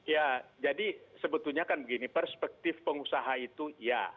ya jadi sebetulnya kan begini perspektif pengusaha itu iya